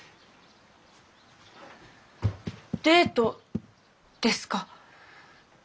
デートですか！？